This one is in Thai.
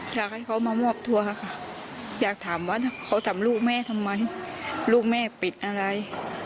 อยากให้เขามามอบตัวค่ะอยากถามว่าเขาทำลูกแม่ทำไมลูกแม่ปิดอะไร